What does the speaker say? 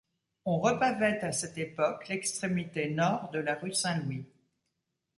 On repavait à cette époque l’extrémité nord de la rue Saint-Louis.